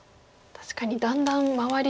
確かにだんだん周り